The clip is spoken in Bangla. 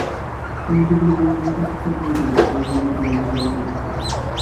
তুমি সেগুলি পড়ে নিরাপদ স্থানে রেখে দেবে, তাই সেগুলি তোমার কাছে পাঠিয়ে দিচ্ছি।